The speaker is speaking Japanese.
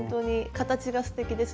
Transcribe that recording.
形がすてきです